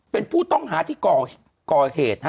เป็นผู้ต้องหาที่กเฮด